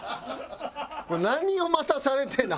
何を待たされてんねん。